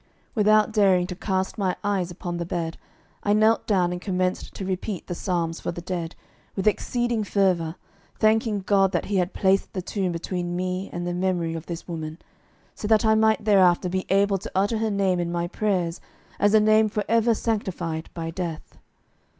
Without daring to cast my eyes upon the bed, I knelt down and commenced to repeat the Psalms for the Dead, with exceeding fervour, thanking God that He had placed the tomb between me and the memory of this woman, so that I might thereafter be able to utter her name in my prayers as a name for ever sanctified by death.